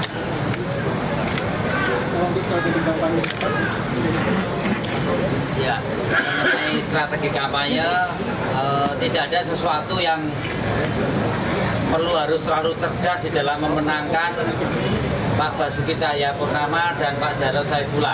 ya menurut saya strategi kampanye tidak ada sesuatu yang perlu harus terlalu cerdas di dalam memenangkan pak basuki cahaya purnama dan pak jaro zaidullah